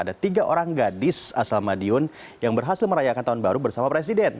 ada tiga orang gadis asal madiun yang berhasil merayakan tahun baru bersama presiden